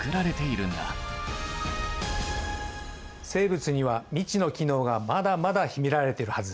生物には未知の機能がまだまだ秘められてるはず。